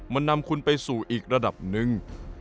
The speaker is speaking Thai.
มันนำคุณไปสู่อีกระดับหนึ่ง